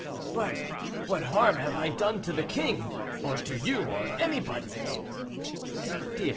"But what harm have I done to the king, or to you, or anybody?" "Dear M.